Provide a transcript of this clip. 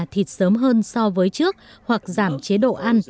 thịt sớm hơn so với trước hoặc giảm chế độ ăn